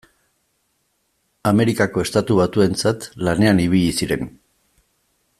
Amerikako Estatu Batuentzat lanean ibili ziren.